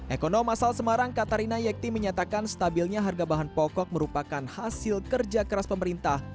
ekonom asal semarang katarina yekti menyatakan stabilnya harga bahan pokok merupakan hasil kerja keras pemerintah